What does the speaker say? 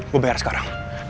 gue bayar sekarang